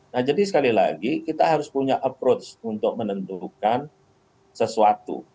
nah jadi sekali lagi kita harus punya approach untuk menentukan sesuatu